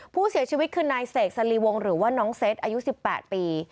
ผู้เสียชีวิตคือนายเสกสลีวงหรือว่าน้องเซ็ตอายุ๑๘ปี